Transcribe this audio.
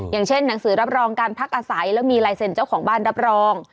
อย่างเช่นหนังสือรับรองการพักอาศัยแล้วมีลายเซ็นต์เจ้าของบ้านรับรอง